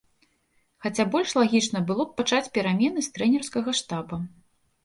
Хаця больш лагічна было б пачаць перамены з трэнерскага штаба.